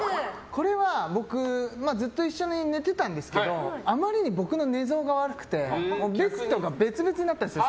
これは僕ずっと一緒に寝てたんですけどあまりに僕の寝相が悪くてベッドが別々になったんですよ